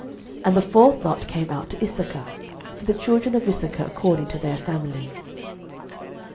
06:019:017 And the fourth lot came out to Issachar, for the children of Issachar according to their families.